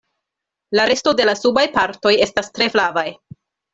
La resto de la subaj partoj estas tre flavaj.